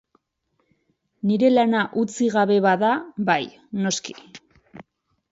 Nire lana utzi gabe bada, bai, noski.